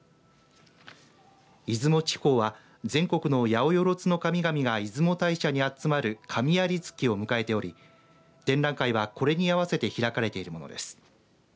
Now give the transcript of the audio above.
出雲地方は全国のやおよろずの神々が出雲大社に集まる神在月を迎えており展覧会は、これに合わせて開かれているものです。